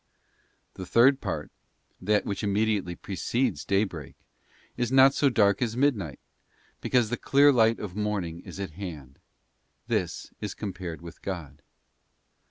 The third part, that which immediately precedes daybreak, is FAITH, THE MIDNIGHT OF THE SPIRIT. 57 not so dark as midnight, because the clear light of morning is at hand: this is compared with God.